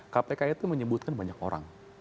kpk itu menyebutkan banyak orang